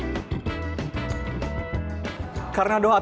jadi bisa dipanggang di tempat yang tepat